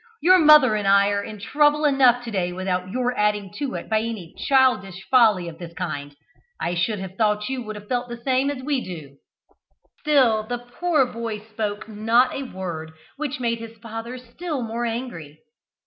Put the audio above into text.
"Your mother and I are in trouble enough to day without your adding to it by any childish folly of this kind. I should have thought you would have felt the same as we do." Still the poor boy spoke not a word, which made his father still more angry.